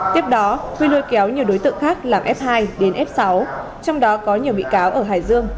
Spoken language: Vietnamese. tiếp đó huy lôi kéo nhiều đối tượng khác làm f hai đến f sáu trong đó có nhiều bị cáo ở hải dương